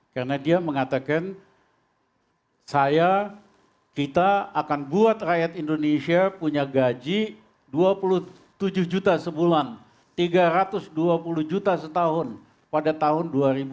karena dia mengatakan saya kita akan buat rakyat indonesia punya gaji dua puluh tujuh juta sebulan tiga ratus dua puluh juta setahun pada tahun dua ribu empat puluh lima